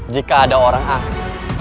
jika ada orang asli